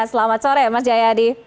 selamat sore mas jayadi